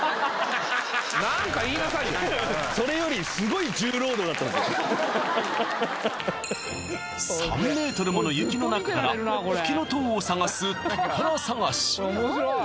それより３ｍもの雪の中からふきのとうを探す宝探し！